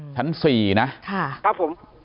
ชั้น๔นะครับผม